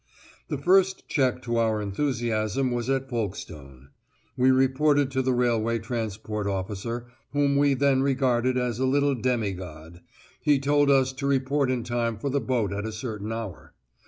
The first check to our enthusiasm was at Folkestone. We reported to the railway transport officer, whom we then regarded as a little demi god; he told us to report in time for the boat at a certain hour.